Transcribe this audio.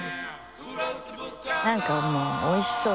なんかもうおいしそう。